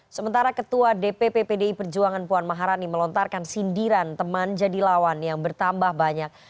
sementara ketua dpp pdi perjuangan puan maharani melontarkan sindiran teman jadi lawan yang bertambah banyak